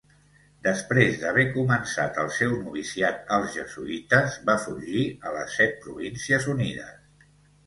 Després d'haver començat el seu noviciat als jesuïtes, va fugir a les Set Províncies Unides.